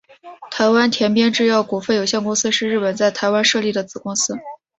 台湾田边制药股份有限公司是日本在台湾设立的子公司。